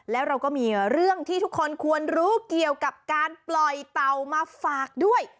แล้วเราก็มีเรื่องที่ทุกคนควรรู้เกี่ยวกับการปล่อยเต่ามาฝากด้วย